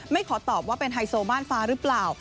ขอตอบว่าเป็นไฮโซม่านฟ้าหรือเปล่า